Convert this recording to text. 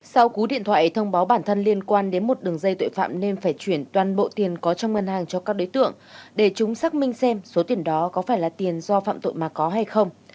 sau cú điện thoại thông báo bản thân liên quan đến một đường dây tội phạm nên phải chuyển toàn bộ tiền có trong ngân hàng cho các đối tượng để chúng xác minh xem số tiền đó có phải là tiền do phạm tội mà có hay không